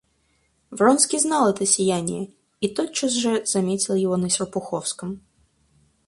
Вронский знал это сияние и тотчас же заметил его на Серпуховском.